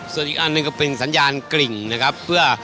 ส่วนอีกอันหนึ่งก็เป็นสัญญาณกริ่งนะครับเพื่อ